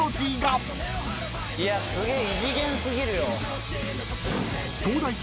いやすげえ。